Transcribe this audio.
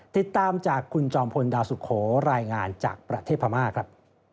ติดตามจากคุณจอมพลดาวสุโขรายงานจากประเทศพม่าครับ